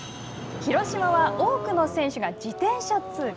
広島は多くの選手が自転車通勤。